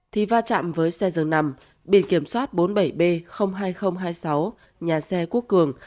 thì va chạm với xe dường nằm biển kiểm soát bốn mươi bảy b hai nghìn hai mươi sáu nhà xe quốc cường